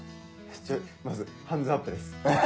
まずハンズアップです。